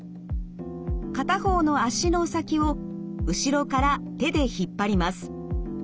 片方の脚の先を後ろから手で引っ張ります。